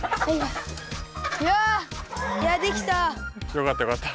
よかったよかった。